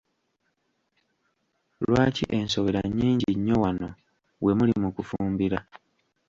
Lwaki ensowera nnyingi nnyo wano we muli mu kufumbira?